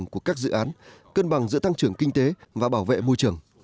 cân bằng giữa tăng trưởng kinh tế và bảo vệ môi trường